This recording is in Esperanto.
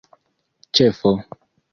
ĉefo